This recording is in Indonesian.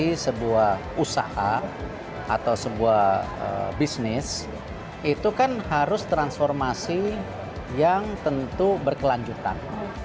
dari sebuah usaha atau sebuah bisnis itu kan harus transformasi yang tentu berkelanjutan